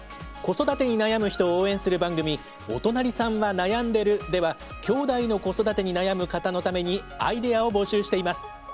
子育てに悩む人を応援する番組「おとなりさんはなやんでる。」ではきょうだいの子育てに悩む方のためにアイデアを募集しています。